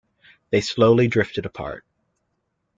They slowly drifted apart.